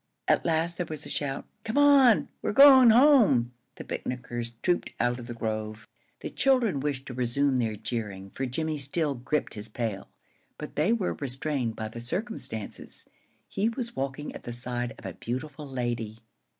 At last there was a shout. "Come on! we're going home." The picnickers trooped out of the grove. The children wished to resume their jeering, for Jimmie still gripped his pail, but they were restrained by the circumstances. He was walking at the side of the beautiful lady.